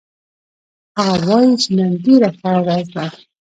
هغه وایي چې نن ډېره ښه ورځ ده